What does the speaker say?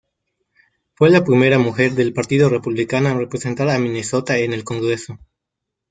Fue la primera mujer del Partido Republicano en representar a Minnesota en el congreso.